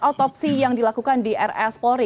otopsi yang dilakukan di rs polri